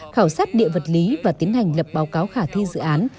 khảo sát địa vật lý và tiến hành lập báo cáo khả thi dự án